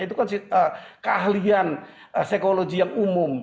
itu kan keahlian psikologi yang umum